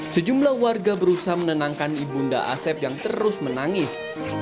sejumlah warga berusaha menenangkan ibunda asep yang terus menangis